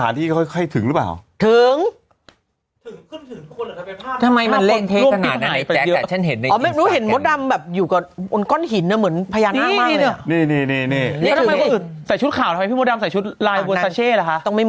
นี่คือเรื่องคุณพระดำเลยใช่ไหมอันนี้ใช่ไหม